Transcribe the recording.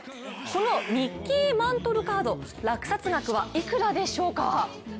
このミッキー・マントルカード落札額はいくらでしょうか？